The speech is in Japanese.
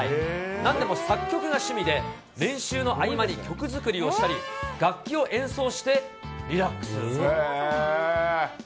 なんでも作曲が趣味で、練習の合間に曲作りをしたり、楽器を演奏してリラックス。